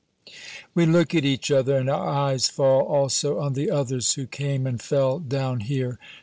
We look at each other, and our eyes fall also on the others who came and fell down here.